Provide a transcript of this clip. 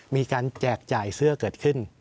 แจกจ่ายเสื้อเกิดขึ้น